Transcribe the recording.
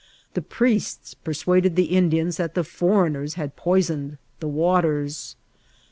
The priests persuaded the Indians that the foreigners had poisoned the waters.